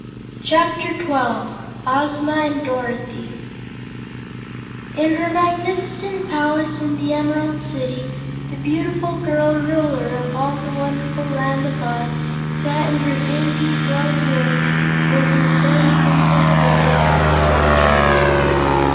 Chapter Twelve Ozma and Dorothy In her magnificent palace in the Emerald City, the beautiful girl Ruler of all the wonderful Land of Oz sat in her dainty boudoir with her friend Princess Dorothy beside her.